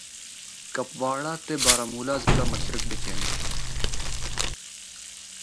کپواڑا تے بارہمولہ ضلع مشرق بچ ہن۔